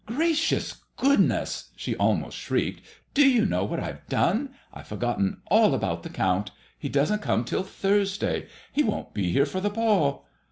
Gracious goodness !" she almost shrieked, 'Mo you know what I have done 7 I have for gotten all about the Count. He doesn't come till Thursday. He won't be here for the ball."